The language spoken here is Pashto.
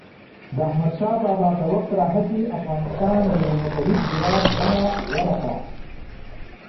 د احمدشاه بابا د وخت راهيسي افغانستان د یوه متحد هېواد بڼه غوره کړه.